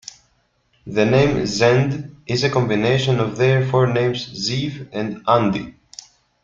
The name Zend is a combination of their forenames, Zeev and Andi.